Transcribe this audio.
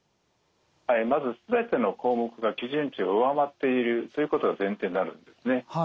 まず全ての項目が基準値を上回っているということが前提になるんですね。